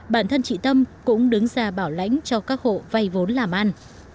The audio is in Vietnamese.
bản thân chị tâm cũng đứng ra bảo lãnh cho các hộ vay vốn làm ăn